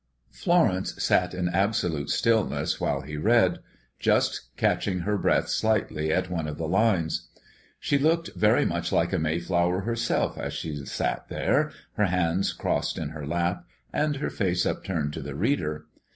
Florence sat in absolute stillness while he read, just catching her breath slightly at one of the lines. She looked very much like a mayflower herself as she sat there, her hands crossed in her lap, and her face upturned to the reader.